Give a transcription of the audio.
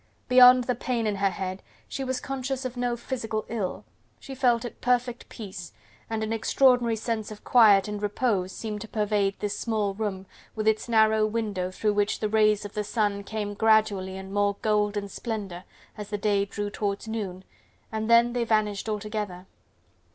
Beyond the pain in her head, she was conscious of no physical ill; she felt at perfect peace, and an extraordinary sense of quiet and repose seemed to pervade this small room, with its narrow window through which the rays of the sun came gradually in more golden splendour as the day drew towards noon, and then they vanished altogether.